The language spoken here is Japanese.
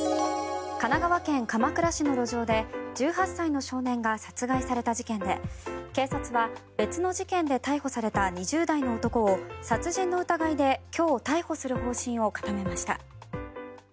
神奈川県鎌倉市の路上で１８歳の少年が殺害された事件で警察は別の事件で逮捕された２０代の男を殺人の疑いで今日逮捕する方針を固めました。